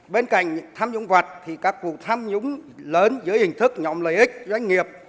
bên cạnh tham nhũng vật thì các vụ tham nhũng lớn giữa hình thức nhộm lợi ích doanh nghiệp